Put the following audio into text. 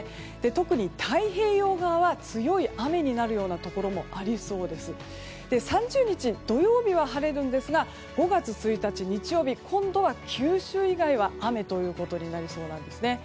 特に太平洋側は強い雨になるようなところもありそうで３０日土曜日は晴れるんですが５月１日、日曜日は今度は九州以外は雨となりそうなんですね。